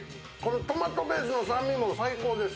トマトペーストの酸味も最高です。